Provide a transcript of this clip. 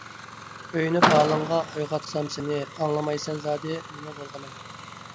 كۆيۈنۈپ ھالىڭغا، ئويغاتسام سېنى، ئاڭلىمايسەن زادى، نېمە بولغىنىڭ؟